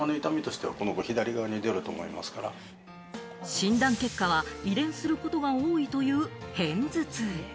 診断結果は遺伝することが多いという片頭痛。